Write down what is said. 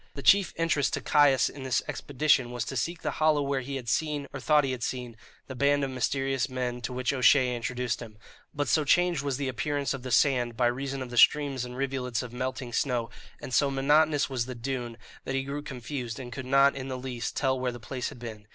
The chief interest to Caius in this expedition was to seek the hollow where he had seen, or thought he had seen, the band of mysterious men to which O'Shea introduced him; but so changed was the appearance of the sand by reason of the streams and rivulets of melting snow, and so monotonous was the dune, that he grew confused, and could not in the least tell where the place had been.